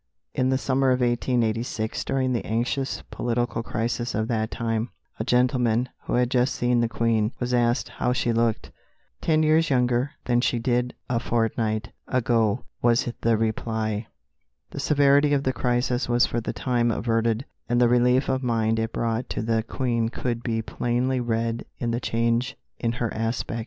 In the summer of 1886, during the anxious political crisis of that time, a gentleman, who had just seen the Queen, was asked how she looked. "Ten years younger than she did a fortnight ago," was the reply. The severity of the crisis was for the time averted, and the relief of mind it brought to the Queen could be plainly read in the change in her aspect.